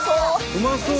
うまそう！